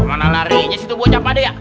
kemana larinya si tubuh capade ya